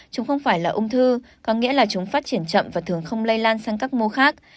chúng không phải là ung thư có nghĩa là chúng phát triển chậm và thường không lây lan sang các mô khác